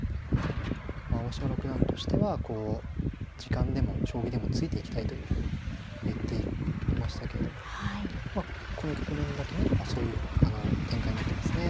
青嶋六段としてはこう時間でも将棋でもついていきたいというふうに言っていましたけれどもこの局面だけ見ればそういう展開になってますね。